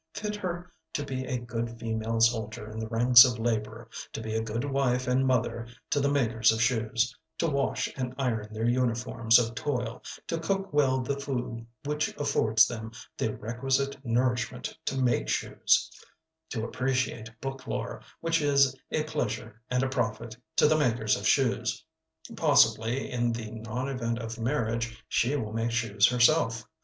Fit her to be a good female soldier in the ranks of labor, to be a good wife and mother to the makers of shoes, to wash and iron their uniforms of toil, to cook well the food which affords them the requisite nourishment to make shoes, to appreciate book lore, which is a pleasure and a profit to the makers of shoes; possibly in the non event of marriage she will make shoes herself.